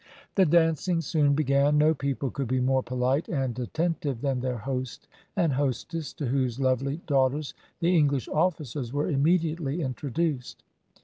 The dancing soon began. No people could be more polite and attentive than their host and hostess, to whose lovely daughters the English officers were immediately introduced.